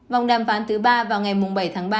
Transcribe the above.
vòng đàm phán thứ ba vào ngày bảy tháng ba